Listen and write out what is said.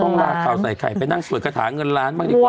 ต้องลาก่าวใส่ใครไปนั่งสวดคาถาเงินล้านบ้างดีกว่า